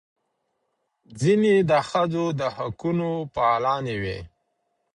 ځینې د ښځو د حقونو فعالانې وې.